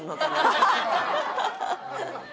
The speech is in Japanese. ハハハハ。